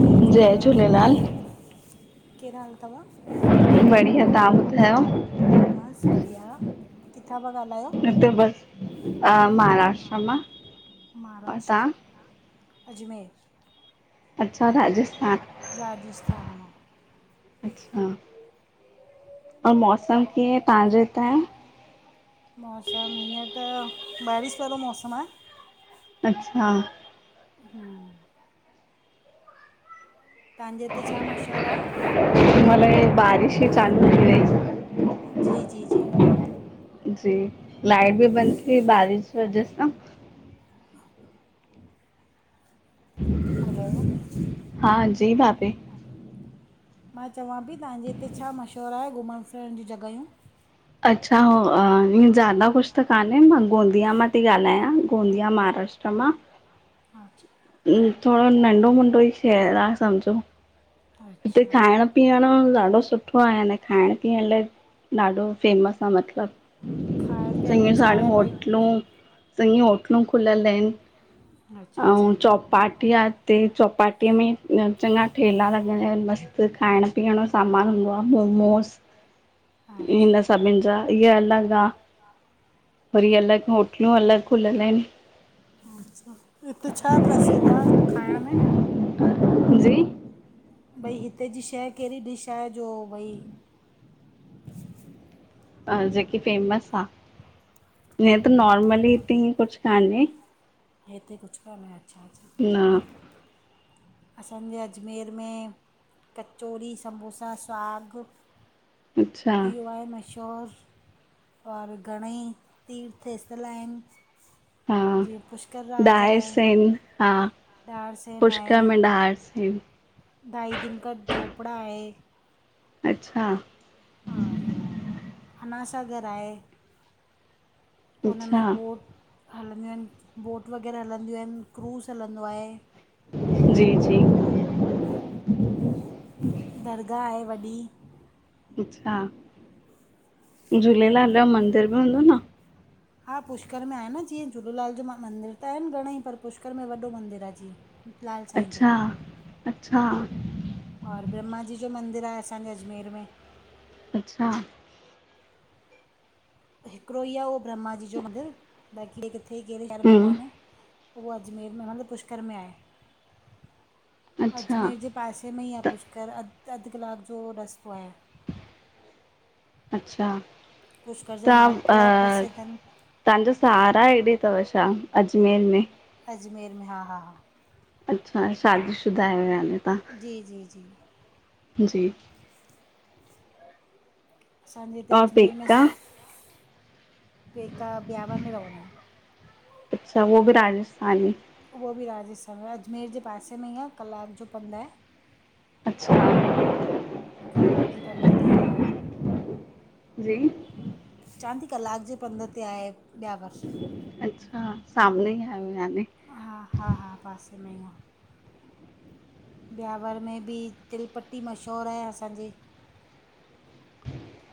जय झूलेलाल! केड़ा हाल तव? बढ़िया, तहां ॿुधायो? बस बढ़िया, किथां पिया ॻाल्हायो? हिते बस अ महाराष्ट्र मां और तहां? महाराष्ट्र अजमेर अच्छा, राजस्थान। राजस्थान मां अच्छा, ऐं मौसम त कीअं आहे? तहांजे उतां जो। मौसम हींअर त, बारिश वारो मौसम आ। अच्छा हम्म- तव्हांजे हिते छा मशहूर आये? हिन महिल एं बारिश ई चालू थी वई, जी- जी -जी। जी लाइट बि बंद थी वई, बारिश जी वजह सां। ह ह ह ह [inaudible] हलो, हा, जी भाभी? मां चवां पई तव्हांजे हिते छा मशहूरु आहे, घुमण फिरण ॼी जॻहियूं? अच्छा हो उ ज्यादा कुछ त कान्हे मां गोंदिया मां थी ॻाल्हायां, गोंदिया महाराष्ट्र। राष्ट्र मा [inaudible] हा। थोड़ो नंढो मुंढो ई शहरु आ, सम्झो। हिते अच्छा खाइण पीअण ॾाढो सुठो आहे, अने खाइण पीअण लाइ ॾाढो फेमस आ खाइण मतिलबु, पीअण में ङियूं छा आहे साणियूं भई होटलूं, चङीयूं होटलूं खुलियल आहिनि अच्छा अच्छा अउं चौपाटी आहे हिते चौपाटी में चङा ठेला लॻ मस्त खाइण पीअण जो सामान हूंदो आ, मोमोस हिन अच्छा सभिनि जा इहा अलॻि आ, वरी अलॻि होटलियूं अलॻि खुलियल आहिनि। अच्छा हिते छा प्रसिद्ध आ, खाइण में? जी? भई हिते जी शइ कहिड़ी डिश आहे, जो भई जेकी फेमस आ? हीय त नॉर्मल ही थी ई कुछ काने, हिते कुछ कान्हे, अच्छा -अच्छा। न। असांजे अजमेर में कचौरी, समोसा, साग अच्छा ईहो आहे मशहूरु। और घणेई तीर्थ स्थल आहिनि। हा जीअं पुष्कर राज आहे। डायस आहिनि हा दाहर सेन पुष्कर आहे, में ढार सेन ढाई दिन का झोपड़ा आहे। अच्छा! और अनासागर आहे। हुनमें अच्छा बोट हलंदियूं आहिनि, बोट वग़ैरह हलंदियूं आहिनि, क्रूज़ हलंदो आहे। जी -जी। दरगाह आहे वॾी। अच्छा, झूलेलाल जो मंदिर बि हूंदो न? हा पुष्कर में आहे न जीअं झूलेलाल जो मंदिर त आहिनि, घणेई पर पुष्कर में वॾो मंदिरु आहे जीअं, लाल साईं जो। अच्छा अच्छा और ब्रह्माजी जो मंदिर आहे, असांजे अजमेर में। अच्छा। हिकिड़ो ई आहे उहो ब्रह्मा जी जो मंदिरु, बाक़ी ॿिए किथे कहिड़े शहर में हम कान्हे। पोइ उहो अजमेर में मतिलबु पुष्कर में आहे, अच्छा अजमेर जे पासे में ई आ त पुष्कर, अधु कलाकु जो रस्तो आहे। अच्छा पुष्कर जा तव्हां मालपुड़ा अ प्रसिद्ध आहिनि। तव्हांजो सहारा हेॾे तव छा अजमेर में। अजमेर में हा हा हा। अच्छा शादीशुदा आयो याने तां? जी जी जी जी। असांजे हिते और अजमेर में पेका पेका ब्यावर में रवंदा आहिनि। अच्छा उवो बि राजस्थानी। उहो बि राजस्थान आ अजमेर जे पासे में ई आ कलाकु जो पंधु आहे। अच्छा कलाकु जे पंध ते आहे। जी चां ती कलाकु जे पंधु ते आहे ॿियावर। अच्छा, सामने ई आयो यानी। हा हा हा पासे में ई आ। ब्यावर में बि तिलपट्टी मशहूरु आहे असांजे।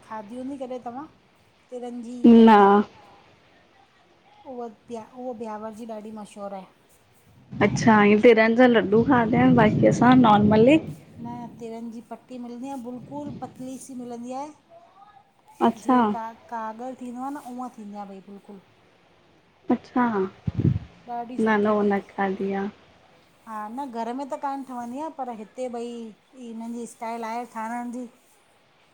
खादी हुंदी कॾे तव्हां, तिरनि जी पट्टी। न उहा तिया उहा ब्यावर जी ॾाढी मशहूरु आहे। अच्छा हिय तिरन जा लड्डू खादा आहिनि बाक़ी असां नॉर्मली न तिरनि जी पट्टी मिलंदी आहे बिल्कुलु पतली सी मिलंदी आहे। अच्छा जीअं का कागरु थींदो आ न उअ थींदी आहे भई बिल्कुलु। अच्छा ॾाढी न सुठी न उह न भई खाधी आ। हा न घर में त कानि ठवंदी आ, पर हिते भई ही हिननि जी स्टाइल आहे ठाहिराण जी।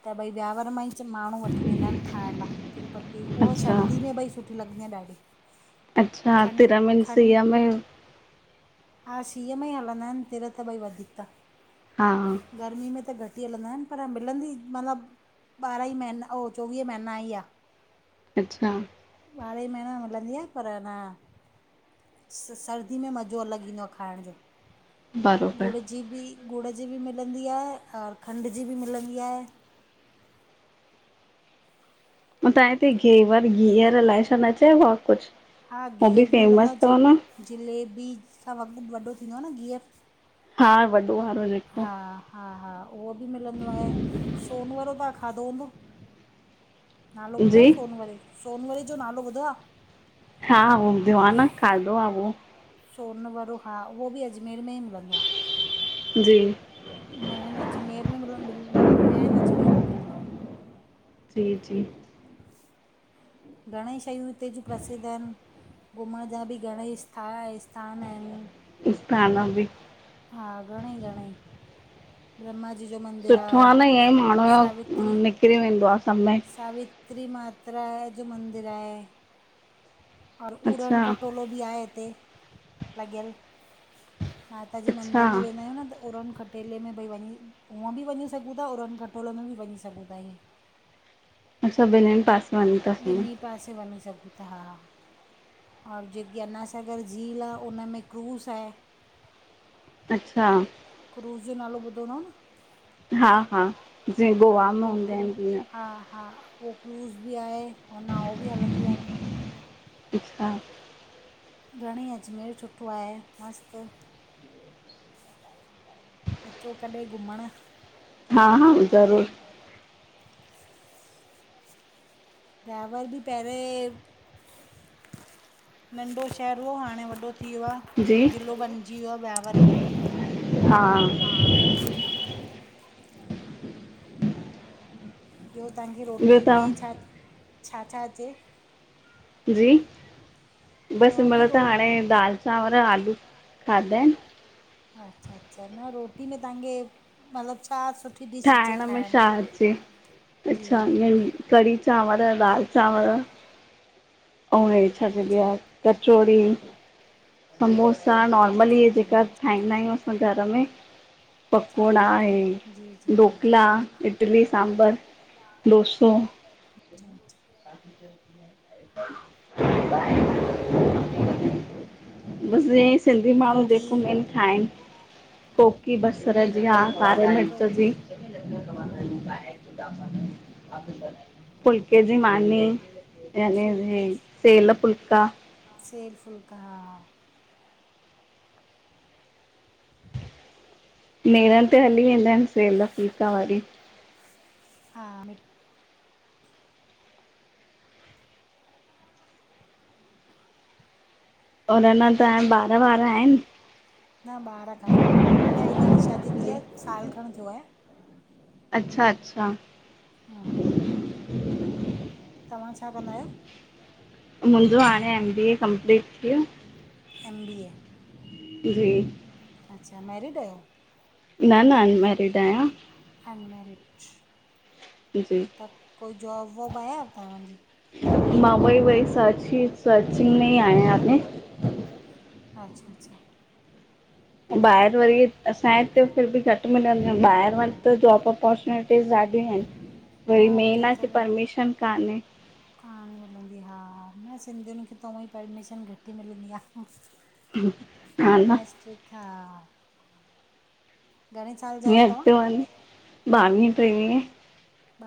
त भई ब्यावर मां ई च माण्हू वठी वेंदा आहिनि खाइण लाइ तिलपट टी उहा अच्छा सर्दी में ॿई सुठी लॻंदी आ ॾाढी। अच्छा खंडु तिर मिन खंडु सीअ में हा सीअ में ई हलंदा आहिनि तिर त भई वधीक त। हा गर्मी में त घटि ई हलंदा आहिनि, पर मिलंदी मतिलबु ॿारहं ई महीना ओ चोवीह महीना ईया। अच्छा ॿारहं ई महिना हलंदी आ, पर ह न स सर्दी में मज़ो अलॻि ईंदो आ खाअण जो। बरोबर गुड़ जी बि, गुड़ जी बि मिलंदी आहे, और खंड जी बि मिलंदी आहे। अऊं तां हिते घेवर गिअर अलाए छा न चयबो आ, कुझु हा गिहुर बि मिलंदो आ, जिल जीलेबी सां वघु वॾो थींदो आ न गिहुर। हा वॾो वारो ॼेको हा हा उहो बि मिलंदो आहे, सोन वरो तां खाधो हूंदो नालो ॿुधो जी आ सोनवरे, सोनवडे जो नालो ॿुधो आ? हा हो ॿुधयो आ न, खाधो आ वो। सोहन वरो हा उहो बि अजमेर में ई मिलंदो आ। जी। मैन अजमेर में मिल मिल मैन अजमेर में मिलंदो आ। जी जी घणेई शयूं हिते जूं प्रसिद्ध आहिनि। घुमण जा बि घणेई स्था इस्थानु आहिनि। इस थान बि। [unintelligible] हा, घणई, घणई। ब्रह्माजी जो मन सुठो आ न ईऐ माण्हू ओ निकिरी वेंदो आ समय। सावित्री मात्रा जो मंदिर आहे। और उरन क अच्छा टोलो बि आऐ हिते लॻल। माता जे अच्छा मंदीर में वेंदा आहियूं न त। ओरन खटेले में भई वञी ऊअंबि वञी सघूं था ओरनि खटोले में बि वञी सघूं था इअं। [inaudible] असां ॿिनिनी पासे वञी था सघूं। पासे वञी सॻु। त, हा। और जेकी अना सागर झील आ, उन में क्रूज़ है। अच्छा। क्रूज़ जो नालो ॿुधो तव न। हा हा जीअं हा। गोवा में उहो हूंदा क्रूज़ आहिनि जीअं हा हा। उ क्रूज़ बि आहे। ऐं नओ बि हलंदियूं आहिनि। अच्छा। घणेई अजमेर सुठो आहे मस्तु। अचो कॾहिं घुमण। हा, हा ज़रूरु। ड्राइवर बि पहिरे। नंढो शहर हो हाणे वॾो थी वियो आ जी जिलो बणजी वियो आहे ब्यावर बि। हा। ॿियो तव्हांजी ॿियो रोटी में छा, तव्हां छा, छा अचे। जी बसि हिन चवां थी महिल रो त हाणे दाल चांवर आलू खाधा आहिनि। अच्छा, अच्छा न रोटी में तव्हांखे मतलबु छा सुठी डिश अचे ठाहिण में छा अचे। जी कढ़ी चांवर दाल चांवर ऐं हे छा चबी अच्छा आहे। कचोड़ समोसा अंद अल्ल। नॉ महिल ईहे कचोरियूं जेका हा ठाहींदा आहियूं असां घर में पकोड़ा आ। ठाहींदा जी जी जी ढोकला इडली सांभर डोसो अच्छा अच्छा [unintelligible] बस। सिंधी माण्हू कोकी जेको खाइण मेन ठााइहिनि कोकी बसर जी को आहे कारे मिर्च कोकर जी। हम्म [unintelligible] फुलके जी मानी यान फुल्के सल फुलका। सेल फुलका। नेरनि ते हली वेंदा आहिनि सेेल पीता वारी। [inaudible] और अञा ता ॿार वार आहिनि। न ॿार कोान अञा हींर ॾींहुं शादी थी जी आहे साल खण थियो आहे। अच्छा, अच्छा, हा। तव्हां छा कंदा आहियो? मुंहिंजो हाणे एम बी ए कंप्लीट थियो एम बी ए जी अच्छा मैरिड आहियो। न न अनमैरिड आहियां। अनमैरिज जी। त कोई जॉब वॉब आहे तव्हांजी? मां भई वई सची सचींग में ई आयाे [unintelligible] अच्छा अच्छा। ॿाहिरि वरी असांजे हिते फिर बि घटि मिलंदियूं ॿाहिरि वटि त जॉब अपॉर्चुनिटी ते ॾाढिय आहिनि। वरी हा हुते मेन आ कि त परमिशन कान्हे। कान मिलंदी। हा न सिंधिययुनि खे त उअ ई परमिशन घटि ई मिलंदी आ। हा न वॾा स्ट्रिक्ट हां गणेश म अत वी बाइव ट्रेवींय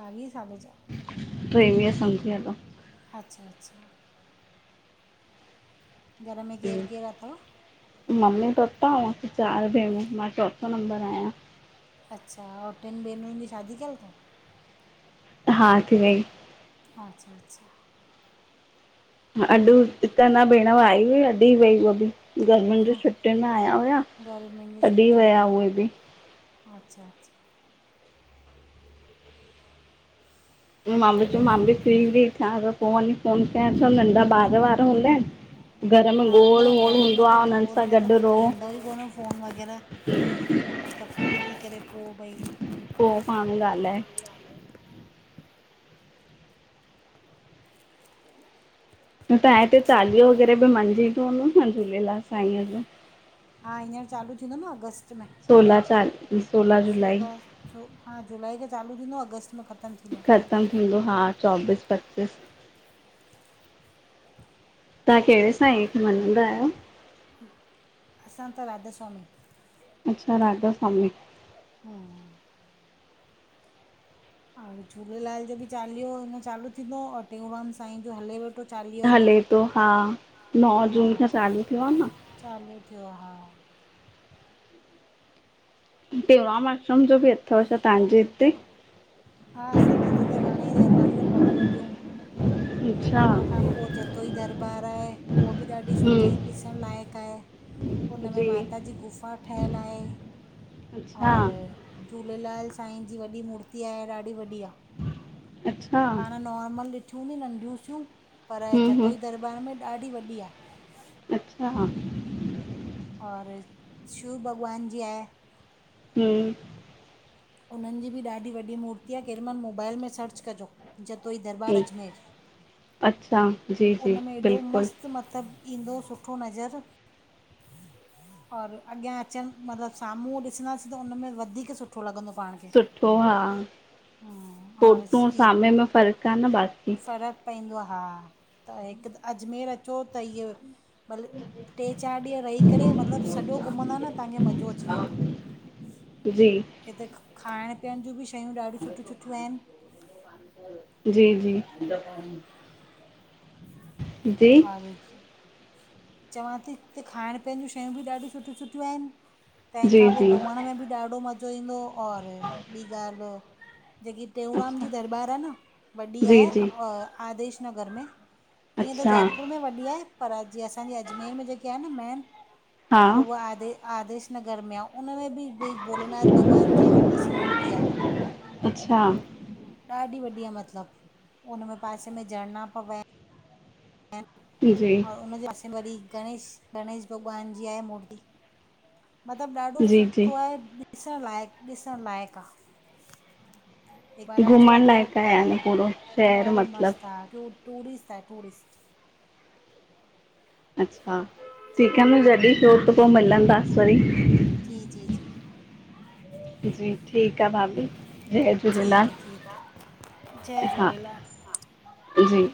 ॿावीहे साले जा। टेरवीह समझी हलो अच्छा अच्छा। घर में केरु केरू अथव? मम्मी पपा अउं चार भेणूं, मां चोथों नंबर आहियां। अच्छा ऐं टिनि भेनरुनि जी शदी कयल अथव? हा। थी वई हा अच्छा अच्छा। अॼु हिते अञा भेण आई हुई, अॼु ई वई उहा बि। गर्मियुनि जी हा छुटियुनि में आया हुया गर्मियुनि जी अॼ ही छुटी में विया हा उहे बि अच्छा अच्छा। मां बि चवां मां बि फ्री व्री थियां त पो वञी फोन कयां, छो नंढा ॿारू वारू हूंदा आहिनि। घर में हा न गोड़ वोड़ घर हूंदो में आहे त हुननि गोड़ सां में त गॾु पोइ रहो थींदो ई कोन फोन वग़ैरह त फ्री थी करे पोइ भई पोइ [unintelligible] ॻाल्हाए [unintelligible] तव्हां हिते चालीहो वग़ैरह बि मंञिंदो हूंदो न झूलेलाल साईंअ जो? हा हींअर चालू थींदो न अगस्त में सोलहां चालू सोलह जुलाई। छो, हा जुलाई खे चालू थींदो आहे। अगस्त में ख़तमु थींदो आहे। ख़तमु थींदो। हा, चोबीस पचीस तव्हां कहिड़े सांईअ खे मञंदा आहियो? असां त राधस्वामी। अच्छा राधा स्वामी। हम्म। और झूलेलाल जो बि चालीहो हाणे चालू थींदो और टेऊंराम साईं जो हले वेठो चालीहो हले हींअर पों, हा नौ हा जून खां चालू थियो आहे न। चालू थियो हा। टेऊराम आश्रम जो बि अथव छा तव्हांजे हिते? हा असांजे हिते त घणेई दरॿारियूं आहिनि वॾियूं वॾियूं अच्छा पो उन खां पो जतोई दरबारु आहे उहा बि ॾाढी हम्म सुठी ॾिसणु लाइक़ु आहे। हुन में जी माता जी गुफ़ा ठहियलु आहे। अच्छा और झूलेलाल साईं जी वॾी मूर्ती आहे ॾाढी वॾी आ। अच्छा पाण नॉर्मल ॾिठियूं हूंदियूं नंढियूं सियूं पर हूं हूं जतोई दरबार दरबार में ॾाढी वॾी आ अच्छा और शिव भॻवान जी आहे जी उन्हनि जी बि ॾाढी वॾी मूर्ती आहे केॾी महिल मोबाइल में सर्च कजो जेतो ई दरबार अजमेर अच्छा जी जी उन में एॾो बिल्कुलु मस्त मतलब ईंदो सुठो नज़र और अॻियां अचन मतलब साम्हूं ॾिसंदासीं त उन में वधीक सुठो लॻंदो पाण खे सुठो हा और फोटू ऐं ई साम्हूं में फ़र्क आ न बाक़ी फ़र्क़ु पवंदो आ हा त हिक अजमेर अचो त इह भले टे चार ॾींहं रही करे मतलब सॼो घुमंदा न तव्हांखे मज़ो अची वेंदो जी किते खाइण पीअण जियूं बि शयूं ॾाढियूं सुठियूं सुठियूं आहिनि जी जी जी और चवां थी हिते खाइण पीअण जू शयूं बि ॾाढियूं सुठिय सुठियूं आहिन तंहिंखां जी पो जी घुमण में बि ॾाढो मज़ो ईंदो और ॿी ॻाल्हि जेकी टेऊराम जी अच्छा दरबारु आ न वॾी जी जी आ आदेश नगर में ईअं त अच्छा जयपुर में वॾी आहे पर जीअं असांजी अजमेर में जेकी आहे न मेन हा उहा आदे आदेश नगर में आ उनमें बि बि भोलेनाथ भॻवान जी वॾी सी मूर्ती आए अच्छा ॾाढी वॾी आहे मतलब उन मेंें पासे में झरना पा वहन जी और हुननजे पासे वरी गणेश गणेश भॻवान जी आहे मूर्ती मतलब ॾाढो जी जी सुठो आ ॾिसणु लाइक़ ॾिसणु लाइक़ आ हिक बार अचो घुमण अजमेर लाइक़ु त आहे यानी पूरो शहर ॾाढो मस्त मतिलबु आ टूरिस्ट आ टूरिस्ट अच्छा ठीक आहे जॾहिं छो त पोइ मिलंदासि वरी जी जी जी जी ठीक आ भाभी। जय ठीक झूलेलाल आ ठीकु आ जय हा झूलेलाल। जी